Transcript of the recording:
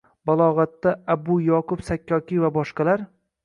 balog‘atda Abu Yaʼqub Sakkokiy va boshqalar.